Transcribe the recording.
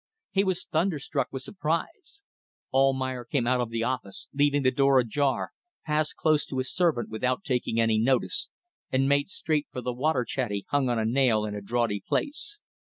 He was thunderstruck with surprise. Almayer came out of the office, leaving the door ajar, passed close to his servant without taking any notice, and made straight for the water chatty hung on a nail in a draughty place.